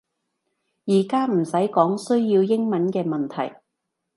而家唔使講需要英文嘅問題